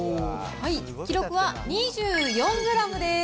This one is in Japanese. はい、記録は２４グラムです。